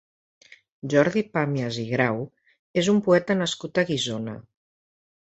Jordi Pàmias i Grau és un poeta nascut a Guissona.